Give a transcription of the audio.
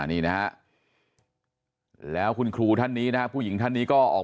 นี่นะฮะแล้วคุณครูท่านนี้นะฮะผู้หญิงท่านนี้ก็ออก